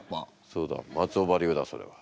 そうだ松尾葉流だそれは。